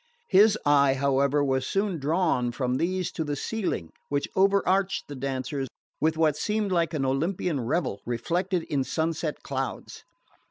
His eye, however, was soon drawn from these to the ceiling which overarched the dancers with what seemed like an Olympian revel reflected in sunset clouds.